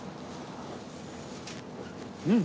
うん！